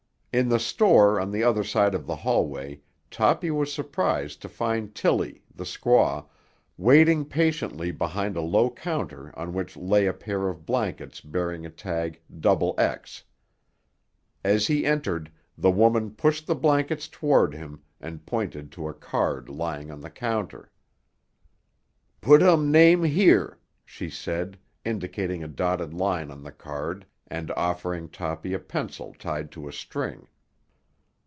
In the store on the other side of the hallway Toppy was surprised to find Tilly, the squaw, waiting patiently behind a low counter on which lay a pair of blankets bearing a tag "XX." As he entered, the woman pushed the blankets toward him and pointed to a card lying on the counter. "Put um name here," she said, indicating a dotted line on the card and offering Toppy a pencil tied on a string.